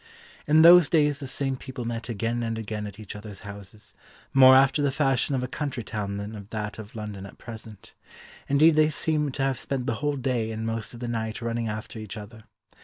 In those days the same people met again and again at each other's houses, more after the fashion of a country town than of that of London at present. Indeed they seem to have spent the whole day and most of the night running after each other.